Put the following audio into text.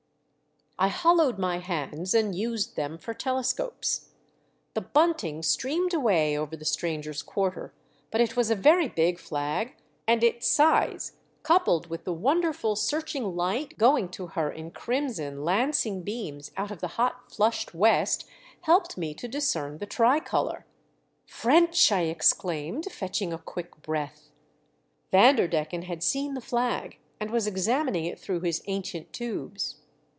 I hollowed my hands and used them for telescopes. The bunting streamed away over the stranger's quarter, but it was a very WE SIGHT A SAIL. 355 big flag, and Its size, coupled with the wonderful searching light going to her in crimson lancing beams out of the hot flushed west, helped me to discern the tricolour. *' French !" I exclaimed, fetching a quick breath. Vanderdecken had seen the flag, and was examining it through his ancient tubes.